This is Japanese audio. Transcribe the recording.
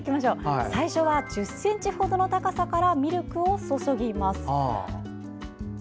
最初は１０ｃｍほどの高さからミルクを注ぎます。